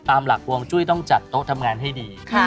ตามหลักวงจุ้ยต้องจัดโต๊ะทำงานให้ดี